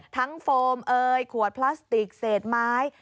ทั้งโฟมขวดพลาสติกเสดไม้